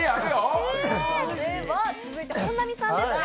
続いて本並さんですね。